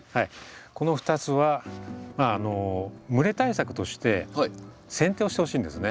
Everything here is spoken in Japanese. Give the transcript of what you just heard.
この２つは蒸れ対策としてせん定をしてほしいんですね。